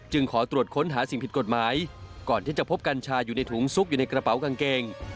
ขอตรวจค้นหาสิ่งผิดกฎหมายก่อนที่จะพบกัญชาอยู่ในถุงซุกอยู่ในกระเป๋ากางเกง